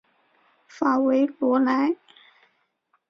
法韦罗莱。